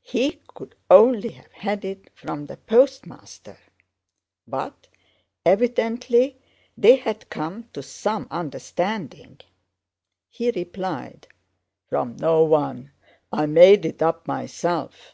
He could only have had it from the Postmaster. But evidently they had come to some understanding. He replied: 'From no one; I made it up myself.